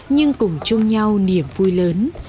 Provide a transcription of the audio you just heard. nhưng cùng chung nhau niềm vui lớn